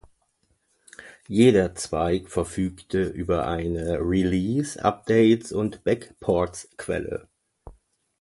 Jeder Zweig verfügte über eine "release"-, "updates"- und "backports"-Quelle.